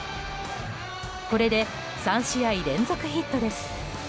これで３試合連続ヒットです。